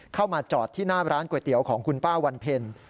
เข้ามาจอดที่หน้าร้านก๋วยเตี๋ยวของคุณป้าวันเพ็ญ